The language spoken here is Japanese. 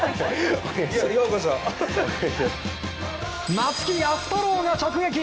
松木安太郎が直撃！